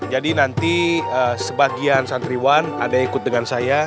jadi nanti sebagian santriwan ada yang ikut dengan saya